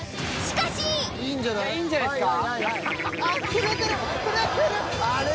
いいんじゃない？いいんじゃないっすか。